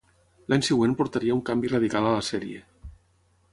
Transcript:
L'any següent portaria un canvi radical a la sèrie.